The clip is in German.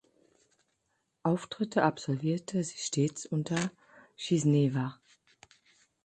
Auftritte absolvierte sich stets unter "Schisnewa".